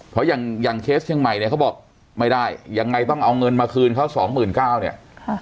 เพราะอย่างอย่างเคสเชียงใหม่เนี่ยเขาบอกไม่ได้ยังไงต้องเอาเงินมาคืนเขาสองหมื่นเก้าเนี่ย